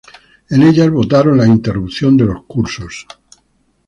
En ellas votaron la interrupción de los cursos.